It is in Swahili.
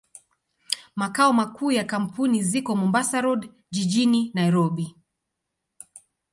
Makao makuu ya kampuni ziko Mombasa Road, jijini Nairobi.